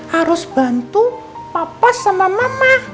harus bantu papa sama mama